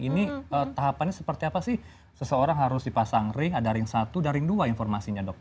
ini tahapannya seperti apa sih seseorang harus dipasang ring ada ring satu dan ring dua informasinya dok